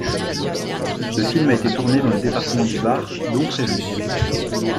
Le film a été tourné dans le département du Var, dont Fréjus.